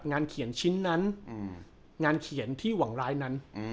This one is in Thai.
งานเขียนชิ้นนั้นงานเขียนที่หวังร้ายนั้น